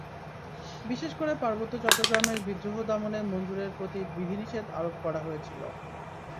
বিশেষ করে পার্বত্য চট্টগ্রামের বিদ্রোহ দমনে মঞ্জুরের প্রতি বিধিনিষেধ আরোপ করা হয়েছিল।